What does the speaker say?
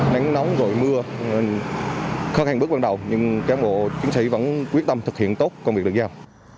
nắng nóng rồi mưa khó khăn bước ban đầu nhưng cán bộ chiến sĩ vẫn quyết tâm thực hiện tốt công việc được giao